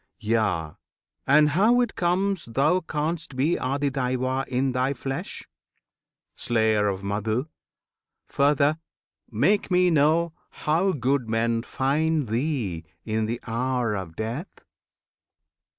Yea, and how it comes Thou canst be ADHIYAJNA in thy flesh? Slayer of Madhu! Further, make me know How good men find thee in the hour of death?